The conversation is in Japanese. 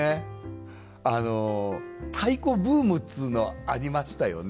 あの太鼓ブームっつうのはありましたよね。